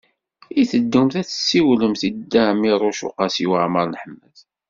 I teddumt ad tessiwlemt ed Dda Ɛmiiruc u Qasi Waɛmer n Ḥmed?